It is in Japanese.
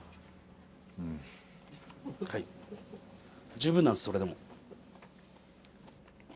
十分なんですそれでも。